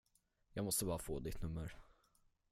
Jag måste bara få ditt nummer.